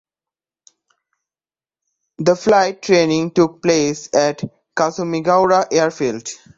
The flight training took place at Kasumigaura Airfield.